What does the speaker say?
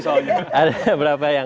ada beberapa yang